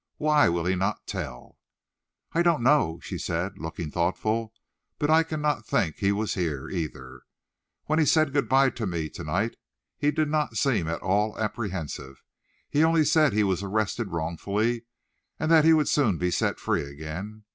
Why will he not tell?" "I don't know," she said, looking thoughtful. "But I cannot think he was here, either. When he said good by to me to night, he did not seem at all apprehensive. He only said he was arrested wrongfully, and that he would soon be set free again.